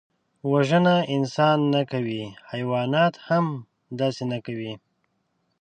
وژنه انسان نه کوي، حیوانات هم داسې نه کوي